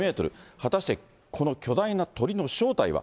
果たしてこの巨大な鳥の正体は。